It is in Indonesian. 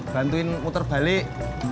bantuin muter balik